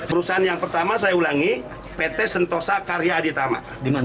perusahaan yang pertama saya ulangi pt sentosa karya aditama